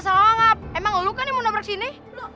siapa yang mau nabrak sini